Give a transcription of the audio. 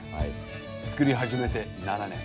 作り始めて７年。